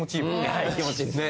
はい気持ちいいですね。